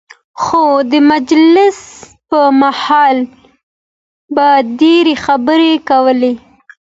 خو د مجلس پر مهال به ډېرې خبرې کولې.